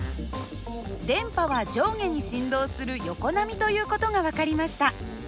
電波は上下に振動する横波という事が分かりました。